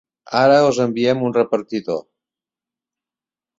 Ara els enviem un repartidor.